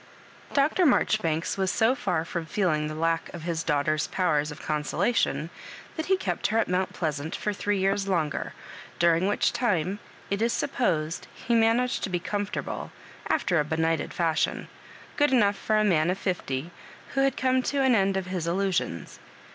Dr. Mabjortbanes was so far from feeling the lack of his daughter's powers of consolation that • he kept her at Mount Pleasant for three years longer, during which time it is supposed he man aged to be comfortable after a benighted fashion — good enough for a man of fifty, who had come to an end of his illusions.